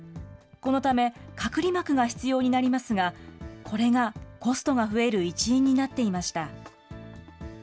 このため、隔離膜が必要になりますが、これがコストが増える一因になっていました。